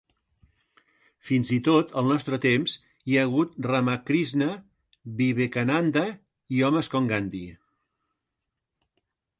Fins i tot al nostre temps hi ha hagut Ramakrishna, Vivekananda i homes com Gandhi.